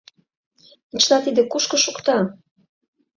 — И чыла тиде кушко шукта?